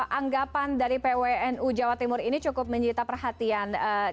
saya minta tanggapan anda bahwa keputusan atau anggapan dari pwnu jawa timur ini dianggap beberapa pihak tidak relevan